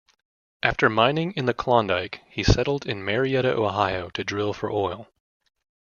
After mining in the Klondike, he settled in Marietta, Ohio to drill for oil.